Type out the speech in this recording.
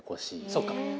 そうか。